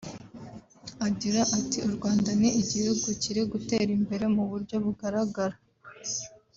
Agira ati “u Rwanda ni igihugu kiri gutera imbere mu buryo bugaragara